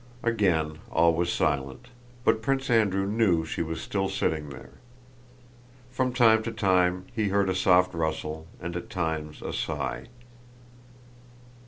Again all was silent, but Prince Andrew knew she was still sitting there. From time to time he heard a soft rustle and at times a sigh.